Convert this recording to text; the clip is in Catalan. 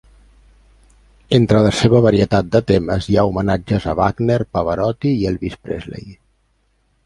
Entre la seva varietat de temes hi ha homenatges a Wagner, Pavarotti i Elvis Presley.